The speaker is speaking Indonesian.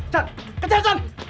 chan kejar chan